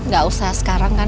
gak usah sekarang kan